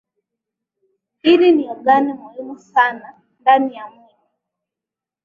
ini ni ogani muhimu sana ndani ya mwili